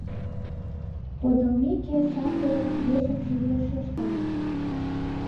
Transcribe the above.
Подылмеке, Сандырын йыжыҥже йӧршеш каен.